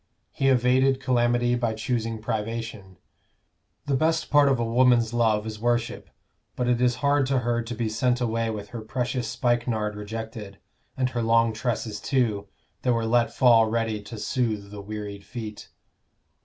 He evaded calamity by choosing privation. The best part of a woman's love is worship; but it is hard to her to be sent away with her precious spikenard rejected, and her long tresses too, that were let fall ready to soothe the wearied feet.